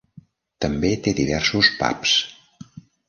També té diversos pubs.